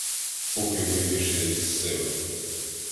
Поки виб’єшся із сили